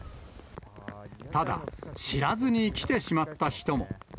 ただ、知らずに来てしまった人も。